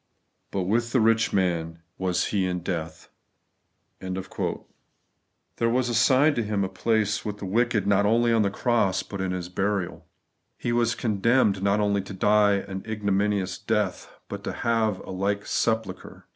But with the rich man was He in death.' There waa assigned to Him a place with the wicked not only on the cross, but in His burial ; He was c»>demned not OBly to dia «> ignomimouB death, but to have a like sepulchre.